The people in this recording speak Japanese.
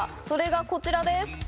それがこちらです。